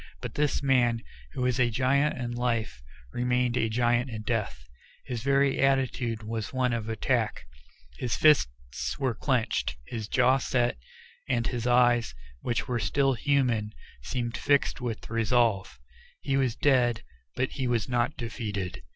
But this man, who was a giant in life, remained a giant in death his very attitude was one of attack; his fists were clinched, his jaw set, and his eyes, which were still human, seemed fixed with resolve. He was dead, but he was not defeated.